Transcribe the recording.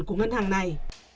của ngân hàng này